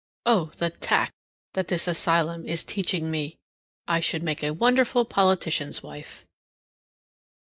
Oh, the tact that this asylum is teaching me! I should make a wonderful politician's wife.